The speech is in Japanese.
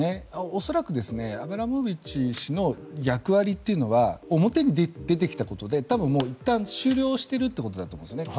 恐らくアブラモビッチ氏の役割というのは表に出てきたことで多分もういったん終了しているということだと思います。